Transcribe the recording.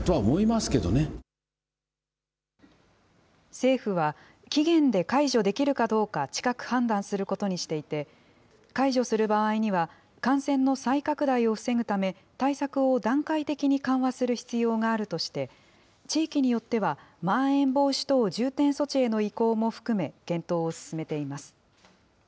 政府は、期限で解除できるかどうか、近く判断することにしていて、解除する場合には、感染の再拡大を防ぐため、対策を段階的に緩和する必要があるとして、地域によっては、まん延防止等重点措置への移行も含め検討を進めています。